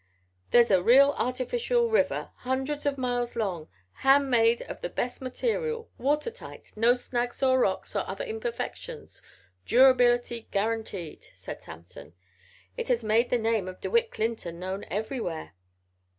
"There is a real artificial river, hundreds o' miles long, handmade of the best material, water tight, no snags or rocks or other imperfections, durability guaranteed," said Samson. "It has made the name of DeWitt Clinton known everywhere."